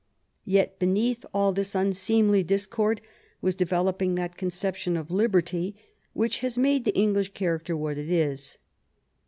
Yet beneath all this unseemly discord was develop ing that conception of liberty which has made the English character what it is.